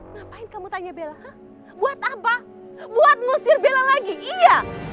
ngapain kamu tanya bella buat apa buat ngusir bella lagi iya